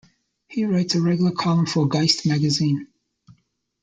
He writes a regular column for "Geist" magazine.